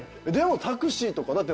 でもタクシーとか。